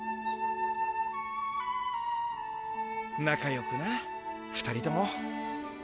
なかよくな２人とも！